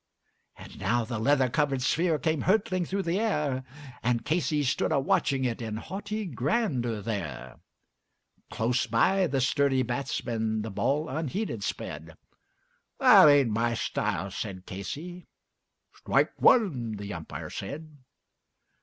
And now the leather covered sphere came hurtling through the air, And Casey stood a watching it in haughty grandeur there; Close by the sturdy batsman the ball unheeded sped "That hain't my style," said Casey "Strike one," the Umpire said.